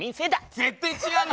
絶対違うな！